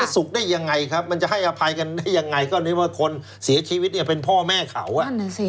สุขได้ยังไงครับมันจะให้อภัยกันได้ยังไงก็นึกว่าคนเสียชีวิตเนี่ยเป็นพ่อแม่เขา